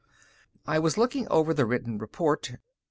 I was looking over the written report.